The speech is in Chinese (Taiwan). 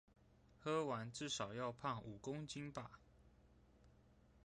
喝完至少要胖五公斤吧